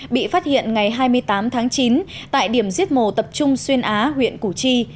bị phát hiện ngày hai mươi tám tháng chín tại điểm giết mổ tập trung xuyên á huyện củ chi